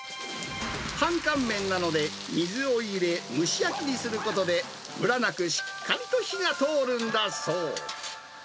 半乾麺なので、水を入れ、蒸し焼きにすることで、むらなくしっかりと火が通るんだそう。